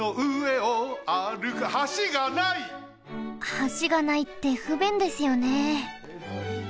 橋がないってふべんですよね。